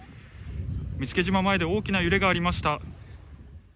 見附島前で大きな揺れがありました。